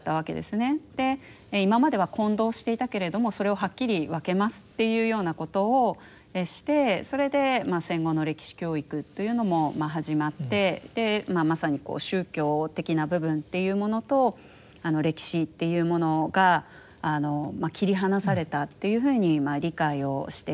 今までは混同していたけれどもそれをはっきり分けますというようなことをしてそれで戦後の歴史教育というのも始まってまさにこう宗教的な部分っていうものと歴史っていうものが切り離されたというふうに理解をしています。